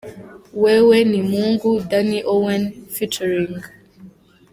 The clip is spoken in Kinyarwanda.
Wewe ni Mungu – Daddy Owen ft.